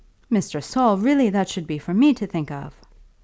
"Mr. Saul, really that should be for me to think of."